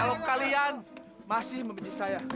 kalau kalian masih memilih saya